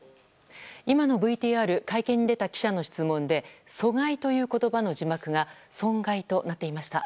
今のＶＴＲ会見に出た記者の質問で阻害という言葉の字幕が損害となっていました。